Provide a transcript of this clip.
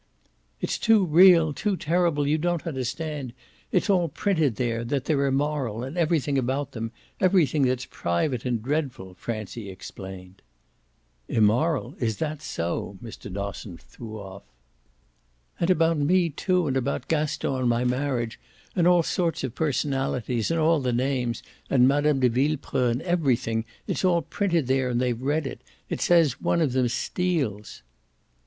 "It's too real too terrible; you don't understand. It's all printed there that they're immoral, and everything about them; everything that's private and dreadful," Francie explained. "Immoral, is that so?" Mr. Dosson threw off. "And about me too, and about Gaston and my marriage, and all sorts of personalities, and all the names, and Mme. de Villepreux, and everything. It's all printed there and they've read it. It says one of them steals."